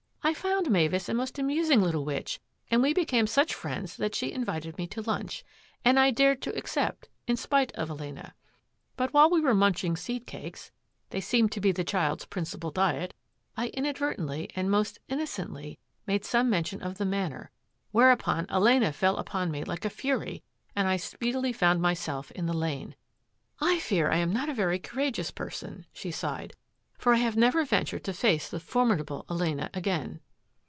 I found Mavis a most amusing little witch and we became such friends that she invited me to lunch, and I dared to accept, in spite of Elena. But while we were munching seed cakes — they seem to be the child's principal diet — I inadvertently, and most innocently, made some mention of the Manor, whereupon Elena fell upon me like a fury and I speedily found myself in the lane. I fear I am not a very courageous person," she sighed, " for I have never ventured to face the for midable Elena again."